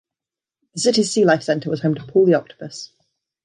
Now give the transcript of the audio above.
The city's Sea Life Centre was home to Paul the Octopus.